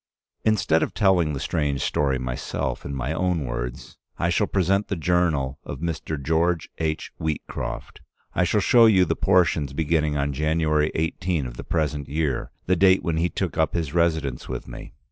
Instead of telling the strange story myself in my own words, I shall present the Journal of Mr. George H. Wheatcroft. I shall show you the portions beginning on January 18 of the present year, the date when he took up his residence with me.